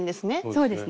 そうですね